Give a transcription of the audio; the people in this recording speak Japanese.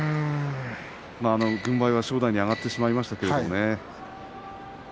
軍配は正代に上がってしまいましたけどね。